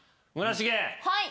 はい！